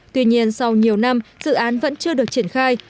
tuy nhiên sau nhiều năm dự án vẫn chưa được triển khai